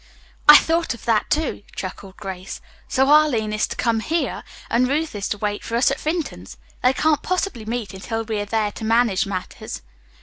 "I thought of that, too," chuckled Grace, "so Arline is to come here, and Ruth is to wait for us at Vinton's. They can't possibly meet until we are there to manage matters.